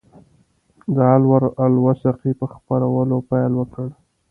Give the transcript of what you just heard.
د العروة الوثقی په خپرولو پیل وکړ.